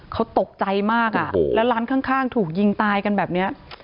เขาตกใจมากอ่ะแล้วร้านข้างถูกยิงตายกันแบบนี้